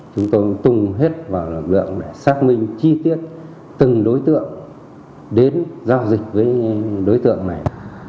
chúng tôi tung hết vào lực lượng để xác minh chi tiết từng đối tượng đến giao dịch với đối tượng này